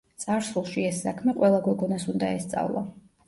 წარსულში ეს საქმე ყველა გოგონას უნდა ესწავლა.